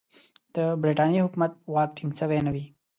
د برټانیې حکومت واک ټینګ سوی نه وي.